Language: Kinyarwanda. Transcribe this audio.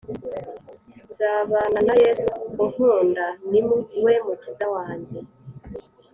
Nzabanana Yesu unkunda ni we Mukiza wanjye